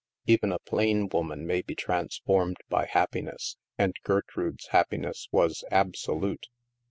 Even a plain woman may be transformed by happiness; and Gertrude's happiness was absolute.